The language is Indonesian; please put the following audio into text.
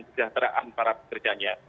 sejahteraan para pekerjanya